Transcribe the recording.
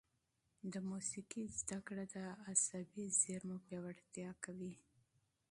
د موسیقي زده کړه د عصبي زېرمو پیاوړتیا کوي.